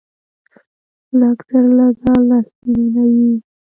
لږ تر لږه لس ملیونه یې